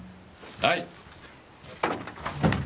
はい。